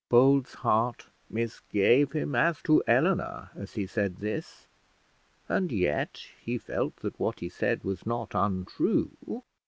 Bold's heart misgave him as to Eleanor as he said this; and yet he felt that what he said was not untrue.